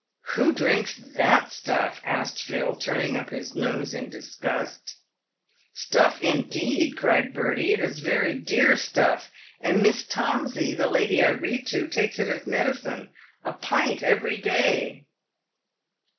" Who drinks that stuff ?" asked Phil, turning up his nose in dis gust. "Stuff indeed!" cried Bertie; "it's very dear stuff, and Miss Tomsey, the lady I read to, takes it as medicine — a pint every day."